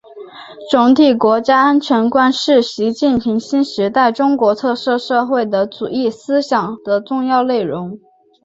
总体国家安全观是习近平新时代中国特色社会主义思想的重要内容